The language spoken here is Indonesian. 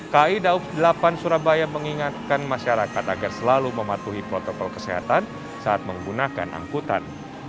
kai daob delapan surabaya mengingatkan masyarakat agar selalu mematuhi protokol kesehatan saat menggunakan angkutan